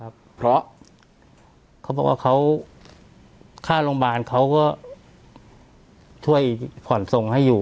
เพราะเขาบอกว่าเขาค่าโรงพยาบาลเขาก็ช่วยผ่อนส่งให้อยู่